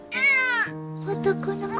男の子？